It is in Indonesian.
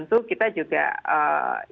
nah tentu kita juga ingatkan